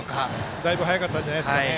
だいぶ早かったんじゃないですかね